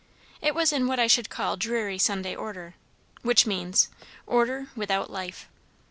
It was in what I should call dreary Sunday order; which means, order without life.